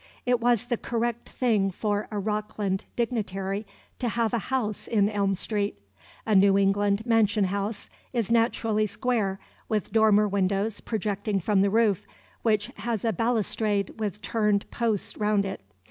It was the correct thing for a Rockland dignitary to have a house in Elm Street. A New England "mansion house" is naturally square, with dormer windows projecting from the roof, which has a balustrade with turned posts round it.